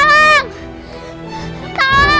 disini ada aku